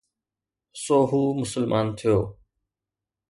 سو هو مسلمان ٿيو